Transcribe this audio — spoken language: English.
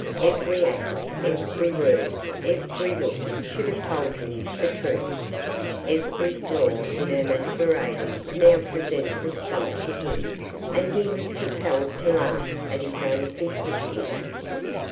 Every act, every word, every look should have told him the truth. Every flaw in her masquerading now presented itself to him and he was compelled to laugh at his own simplicity.